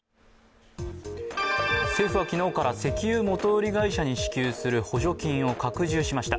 政府は昨日から石油元売り会社に支給する補助金を拡充しました。